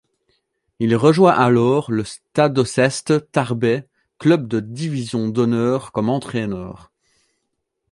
Il rejoint alors le Stadoceste Tarbais, club de division d'honneur comme entraîneur.